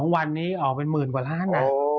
วันนี้ออกเป็นหมื่นกว่าล้านนะ